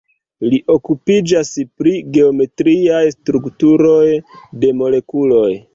Li okupiĝas pri geometriaj strukturoj de molekuloj.